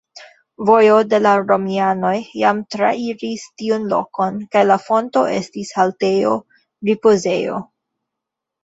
Vojo de la romianoj jam trairis tiun lokon kaj la fonto estis haltejo, ripozejo.